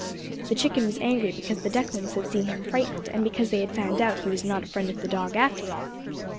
The chicken was angry because the ducklings had seen him frightened, and because they had found out he was not a friend of the dog after all.